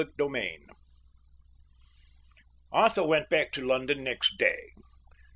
Chapter XI Arthur went back to London next day.